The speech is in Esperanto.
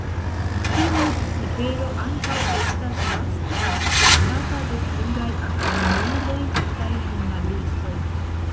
Tiu cifero ankaŭ estas vaste akceptata de pluraj akademiuloj kaj ĵurnalistoj.